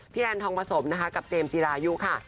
พี่แอนทองผสมนะคะจะเก็มจะจีรายุค่ะ